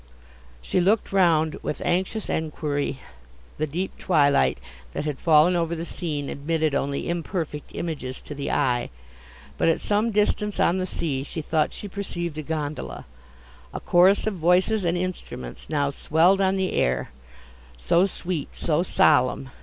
She looked round, with anxious enquiry; the deep twilight, that had fallen over the scene, admitted only imperfect images to the eye, but, at some distance on the sea, she thought she perceived a gondola: a chorus of voices and instruments now swelled on the air—so sweet, so solemn!